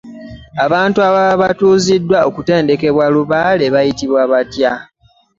Abantu ababa batuuziddwa okutendekebwa lubaale bayitibwa batya?